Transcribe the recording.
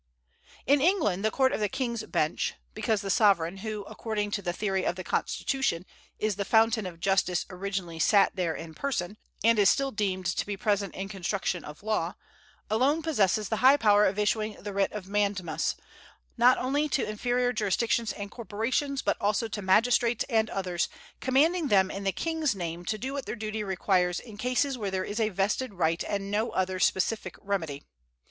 In England the court of king's bench because the Sovereign, who, according to the theory of the constitution, is the fountain of justice originally sat there in person, and is still deemed to be present in construction of law alone possesses the high power of issuing the writ of mandamus, not only to inferior jurisdictions and corporations, but also to magistrates and others, commanding them in the King's name to do what their duty requires in cases where there is a vested right and no other specific remedy.